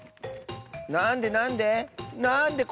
なんでなんで？